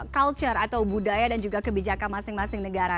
culture atau budaya dan juga kebijakan masing masing negara